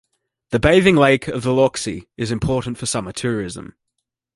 The bathing lake of the Lauchsee is important for summer tourism.